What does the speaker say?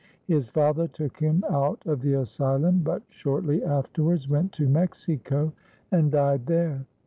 His father took him out of the asylum, but shortly afterwards went to Mexico and died there.